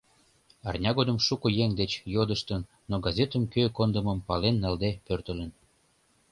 Арня годым шуко еҥ деч йодыштын, но газетым кӧ кондымым пален налде пӧртылын.